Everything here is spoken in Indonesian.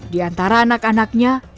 di antara anak anaknya